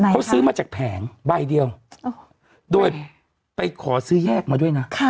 เขาซื้อมาจากแผงใบเดียวโดยไปขอซื้อแยกมาด้วยนะ